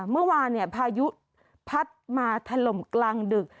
เมื่อวานพายุพัดมาถล่มกลางดึก